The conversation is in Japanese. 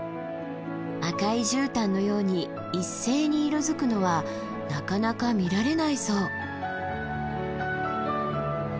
赤いじゅうたんのように一斉に色づくのはなかなか見られないそう。